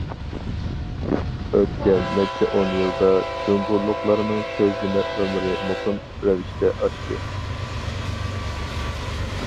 ئۆتكەن نەچچە ئون يىلدا، جۇڭگولۇقلارنىڭ كۆزلىمە ئۆمرى مۇقىم رەۋىشتە ئاشتى.